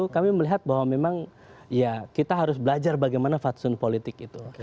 kami melihat bahwa memang ya kita harus belajar bagaimana fatsun politik itu